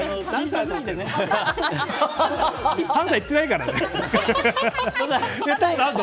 ３歳いってないからね。